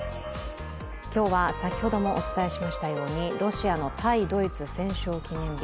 今日は先ほどもお伝えしましたようにロシアの対ドイツ戦勝記念日。